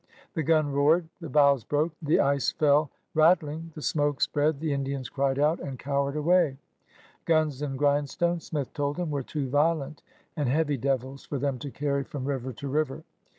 The gim roared, the boughs broke, the ice fell rattling, the smoke spread, the Indians cried out and cowered away. Guns and grindstone. Smith told them, were too violent and heavy devils for them to carry from river to river.